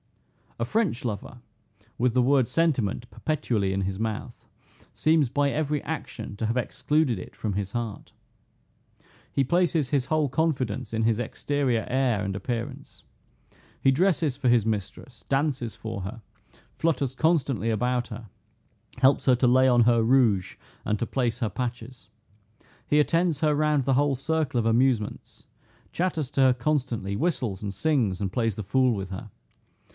A French lover, with the word sentiment perpetually in his mouth, seems by every action to have excluded it from his heart. He places his whole confidence in his exterior air and appearance. He dresses for his mistress, dances for her, flutters constantly about her, helps her to lay on her rouge, and to place her patches. He attends her round the whole circle of amusements, chatters to her constantly, whistles and sings, and plays the fool with her.